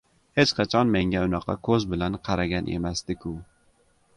Hech qachon menga unaqa ko‘z bilan qaragan emasdi-ku.